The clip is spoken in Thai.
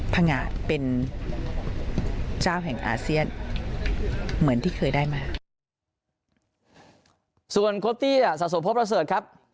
เป็นเจ้าแห่งอาเซียนเหมือนที่เคยได้มา